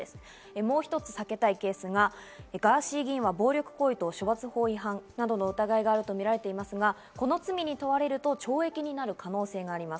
もう一つ避けたいケースが、ガーシー議員は暴力行為等処罰法違反などの疑いがあるとみられていますが、その罪に問われると懲役になる可能性があります。